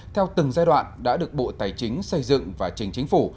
theo từng giai đoạn đã được bộ tài chính xây dựng và trình chính phủ